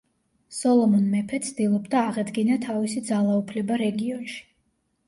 სოლომონ მეფე ცდილობდა აღედგინა თავისი ძალაუფლება რეგიონში.